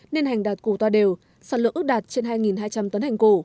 nên hành đạt củ toa đều sản lượng ước đạt trên hai hai trăm linh tấn hành củ